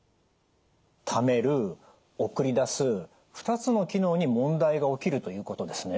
ためる送り出す２つの機能に問題が起きるということですね？